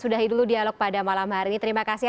sudahi dulu dialog pada malam hari ini terima kasih